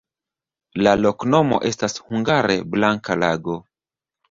La loknomo estas hungare: blanka-lago.